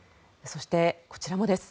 そして、こちらもです。